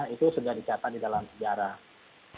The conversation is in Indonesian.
itu sudah dicatat di dalam sejarah